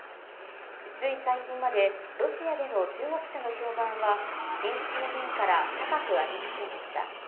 つい最近まで、ロシアでの中国車の評判は、品質の面から高くありませんでした。